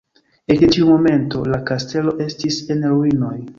Ekde tiu momento, la kastelo estis en ruinoj.